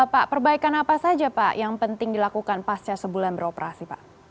pak perbaikan apa saja pak yang penting dilakukan pasca sebulan beroperasi pak